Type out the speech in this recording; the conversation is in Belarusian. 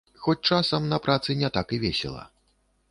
Хоць часам на працы не так і весела.